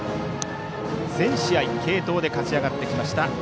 全試合、継投で勝ち上がってきました